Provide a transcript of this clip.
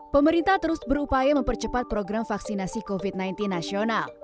pemerintah terus berupaya mempercepat program vaksinasi covid sembilan belas nasional